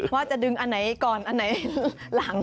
ว่าจะดึงอันไหนก่อนอันไหนหลัง